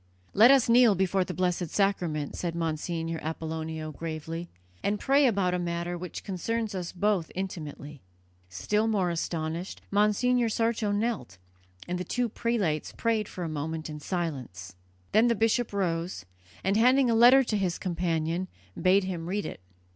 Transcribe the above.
"Let us kneel before the Blessed Sacrament," said Monsignor Apollonio gravely, "and pray about a matter which concerns us both intimately." Still more astonished, Monsignor Sarto knelt, and the two prelates prayed for a moment in silence. Then the bishop rose, and, handing a letter to his companion, bade him read it.